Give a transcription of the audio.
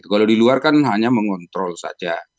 kalau di luar kan hanya mengontrol saja